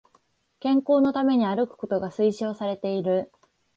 健康のために歩くことが推奨されている